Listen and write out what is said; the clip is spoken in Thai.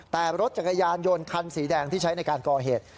แต่รถจักรยานยนต์คันสีแดงที่ใช้ในการก่อเหตุ